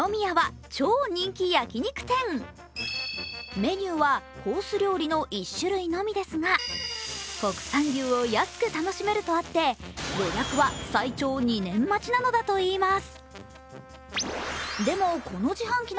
メニューはコース料理の１種類のみですが、国産牛を安く楽しめるとあって予約は最長２年待ちなのだといいます